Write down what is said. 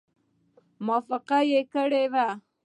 موافقه کړې وه.